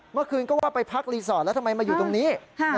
เมื่อคืนก็ว่าไปพักรีสอร์ทแล้วทำไมมาอยู่ตรงนี้